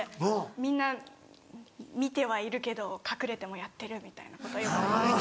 みんな見てはいるけど隠れてもやってるみたいなことはよくありましたね。